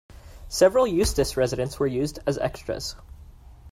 Several Eustace residents were used as extras.